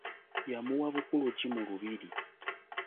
Yamuwa bukulu ki mu lubiri?